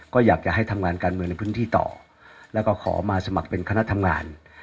ก็อยากจะให้ทำงานการเมืองในพื้นที่ต่อแล้วก็ขอมาสมัครเป็นคณะทำงาน